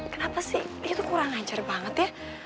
kenapa sih dia tuh kurang ngajar banget ya